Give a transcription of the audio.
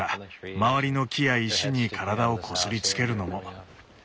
周りの木や石に体をこすりつけるのも。